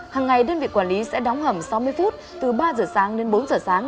hàng ngày đơn vị quản lý sẽ đóng hầm sáu mươi phút từ ba giờ sáng đến bốn giờ sáng